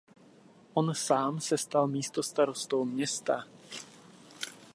On sám se stal místostarostou města.